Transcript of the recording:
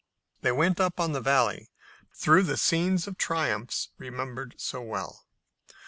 They went on up the valley, through the scenes of triumphs remembered so well.